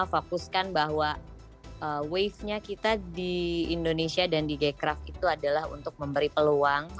fokuskan bahwa wavenya kita di indonesia dan di g craft itu adalah untuk memberi peluang